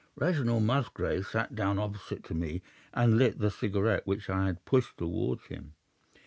"Reginald Musgrave sat down opposite to me, and lit the cigarette which I had pushed towards him.